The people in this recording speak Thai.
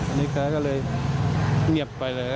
นี่แกก็เลยเงียบไปเลย